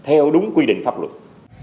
theo đúng quy định pháp luật